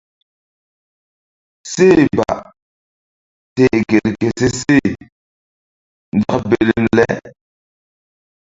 Seh ba teh gel ke se she nzak belem le.